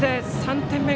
３点目！